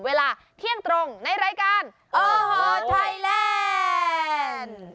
เวลาเที่ยงตรงในรายการโอ้โหไทยแลนด์